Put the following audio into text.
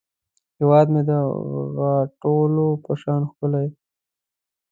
هیواد مې د غاټولو په شان ښکلی دی